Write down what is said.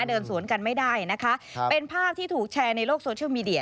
เดินสวนกันไม่ได้นะคะเป็นภาพที่ถูกแชร์ในโลกโซเชียลมีเดีย